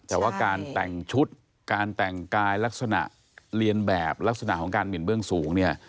แต่ว่าการแต่งชุดการแต่งกายลักษณะเรียนแบบลักษณะของการหมินเบื้องสูงเนี่ย